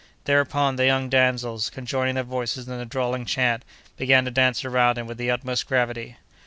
Thereupon, the young damsels, conjoining their voices in a drawling chant, began to dance around him with the utmost gravity.